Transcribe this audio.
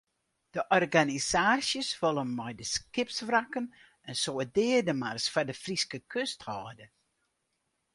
De organisaasjes wolle mei de skipswrakken in soart deademars foar de Fryske kust hâlde.